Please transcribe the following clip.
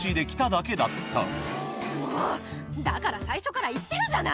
だから最初から言ってるじゃない！